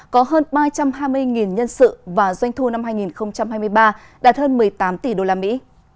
có hơn ba trăm hai mươi nhân sự và doanh thu năm hai nghìn hai mươi ba đạt hơn một mươi tám tỷ đô la mỹ